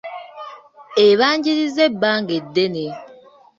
Ebanjirizza ebbanga eddene.